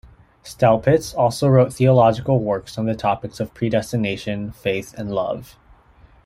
Staupitz also wrote theological works on the topics of predestination, faith, and love.